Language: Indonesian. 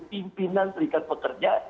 pimpinan peringkat poterja